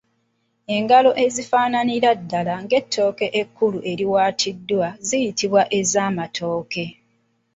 Engalo ezifaananira ddala ng’ettooke ekkulu eriwaatiddwa ziyitibwa ez’amatooke.